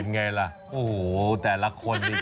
เป็นไงล่ะโอ้โหแต่ละคน